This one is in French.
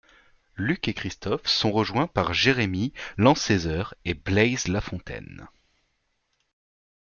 Luc et Christophe sont rejoints par Jérémy Lancézeur et Bleiz Lafontaine.